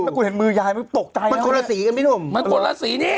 มันคุณเห็นมือยายมันตกใจมันคนละสีกันมิถุ่มมันคนละสีนี่